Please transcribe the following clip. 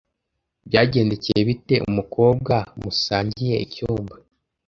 Byagendekeye bite umukobwa musangiye icyumba?